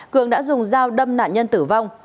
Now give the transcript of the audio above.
cường đã dùng dao đâm nạn nhân tử vong